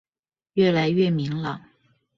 越來越明朗